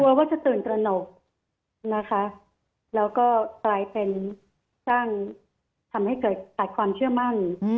ว่าจะตื่นตระหนกนะคะแล้วก็กลายเป็นสร้างทำให้เกิดขาดความเชื่อมั่น